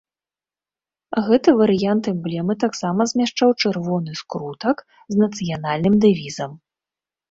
Гэта варыянт эмблемы таксама змяшчаў чырвоны скрутак з нацыянальным дэвізам.